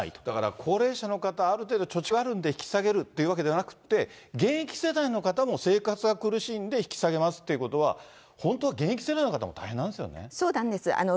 だから高齢者の方、ある程度、貯蓄があるんで、引き下げるっていうわけではなくって、現役世代の方も生活が苦しいんで、引き下げますってことは、本当は現役世代の方も大変なんですよね。